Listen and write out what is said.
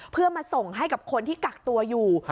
เพื่อมาส่งให้กับคนที่กักตัวอยู่